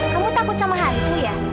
kamu takut sama hariku ya